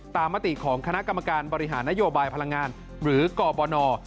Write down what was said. มติของคณะกรรมการบริหารนโยบายพลังงานหรือกบน